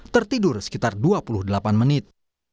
tertidur sekitar dua puluh delapan menit